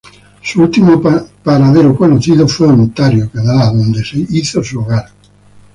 Su último paradero conocido fue Ontario, Canadá, donde ella hizo su hogar.